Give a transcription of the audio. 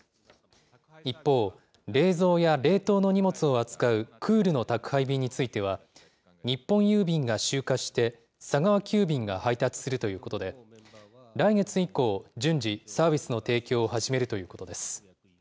一方、冷蔵や冷凍の荷物を扱うクールの宅配便については、日本郵便が集荷して、佐川急便が配達するということで、来月以降、順次、サービスの提供を始めるということです。